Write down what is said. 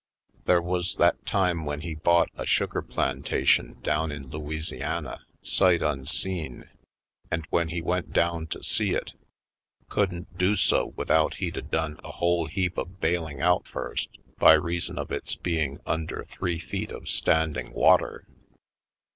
There was that time when he bought a sugar plantation down in Louisiana, sight onseen, and when he went down to see it, couldn't do so without he'd a done a w^hole heap of bailing out first, by reason of its being under three feet of stand ing water.